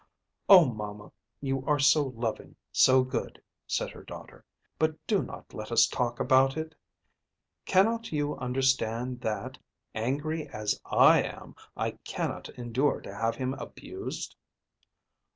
"Oh, mamma; you are so loving, so good," said her daughter; "but do not let us talk about it! Cannot you understand that, angry as I am, I cannot endure to have him abused?"